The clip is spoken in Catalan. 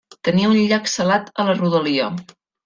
Tenia un llac salat a la rodalia.